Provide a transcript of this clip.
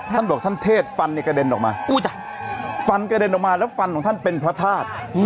ท่านบอกท่านเทศฟันในกระเด็นออกมาฟันกระเด็นออกมาแล้วฟันของท่านเป็นพระธาตุ